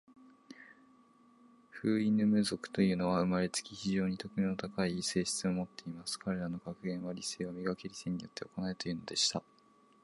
フウイヌム族というのは、生れつき、非常に徳の高い性質を持っています。彼等の格言は、『理性を磨け。理性によって行え。』というのでした。